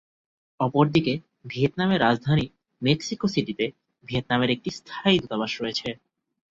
অপরদিকে ভিয়েতনামের রাজধানী মেক্সিকো সিটিতে ভিয়েতনামের একটি স্থায়ী দূতাবাস রয়েছে।